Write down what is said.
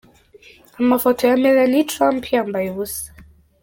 Amafoto ya Melanie Trump yambaye ubusa.